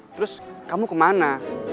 terus kamu kemana